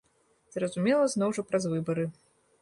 Зразумела, зноў жа праз выбары.